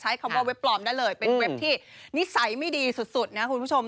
ใช้คำว่าเว็บปลอมได้เลยเป็นเว็บที่นิสัยไม่ดีสุดนะคุณผู้ชม